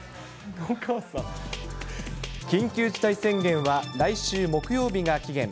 緊急事態宣言は来週木曜日が期限。